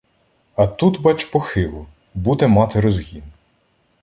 А тут, бач, похило — буде мати розгін.